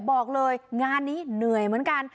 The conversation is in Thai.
บอกเลยงานนี้เหนื่อยเหมือนกัน